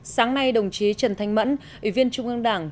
sáng nay đồng chí trần thanh mẫn ủy viên trung ương đảng